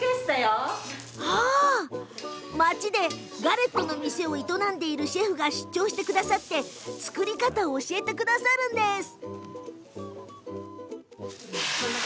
町で、ガレットの店を営んでいるシェフが出張して作り方を教えてくれるんです。